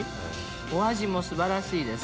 お味も素晴らしいです。